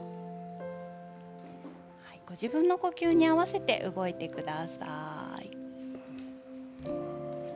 自分の呼吸に合わせて動いてください。